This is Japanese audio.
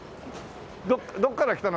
どこから来たの？